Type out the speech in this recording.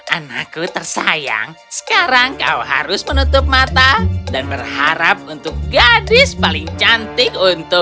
anakku tersayang sekarang kau harus menutup mata dan berharap untuk gadis paling cantik untuk